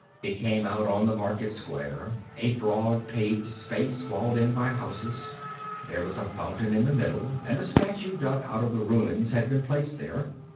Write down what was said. They came out on the market square, a broad paved space walled in by houses. There was a fountain in its middle, and a statue dug out of the ruins had been placed there.